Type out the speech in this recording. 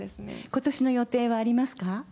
ことしの予定はありますか？